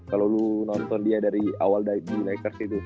kalau lu nonton dia dari awal di lakers itu